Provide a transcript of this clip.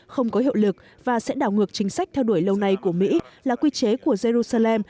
không có hiệu lực và sẽ đảo ngược chính sách theo đuổi lâu nay của mỹ là quy chế của jerusalem